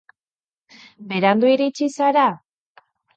Berandu iritsi zara?